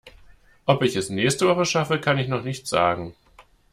Ob ich es nächste Woche schaffe, kann ich noch nicht sagen.